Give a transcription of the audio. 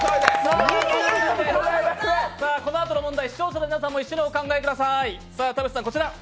このあとの問題、視聴者の皆さんも一緒にお考えください。